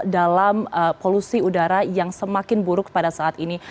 dalam polusi udara yang semakin buruk pada saat ini